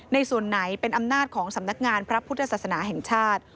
ในส่วนไหนเป็นอำนาจของสำนักงานพระพุทธศาสนาแห่งชาติ